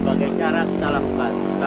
jangan khawatir pak